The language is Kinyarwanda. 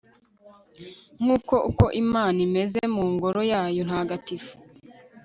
nguko uko imana imeze mu ngoro yayo ntagatifu